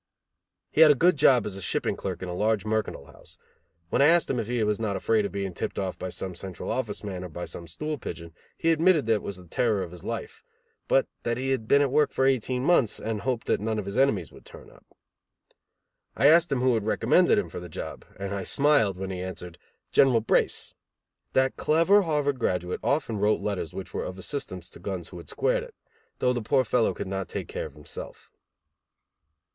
He had a good job as shipping clerk in a large mercantile house; when I asked him if he was not afraid of being tipped off by some Central Office man or by some stool pigeon, he admitted that that was the terror of his life; but that he had been at work for eighteen months, and hoped that none of his enemies would turn up. I asked him who had recommended him for the job, and I smiled when he answered: "General Brace". That clever Harvard graduate often wrote letters which were of assistance to guns who had squared it; though the poor fellow could not take care of himself.